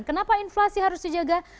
kenapa inflasi harus dijaga